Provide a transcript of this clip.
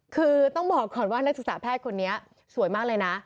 คือต้องบอกก่อนว่านักศึกษาแพทย์คนนี้สวยมากเลยนะ